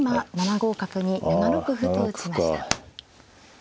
五角に７六歩と打ちました。